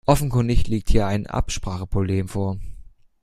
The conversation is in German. Offenkundig liegt hier ein Abspracheproblem vor.